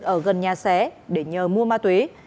ở gần nhà xé để nhờ mua ma túy